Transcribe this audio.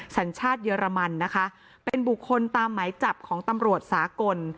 สัญชาติเยอรมันนะคะเป็นบุคคลตามหมายจับของตำรวจสากล